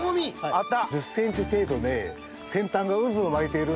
あった。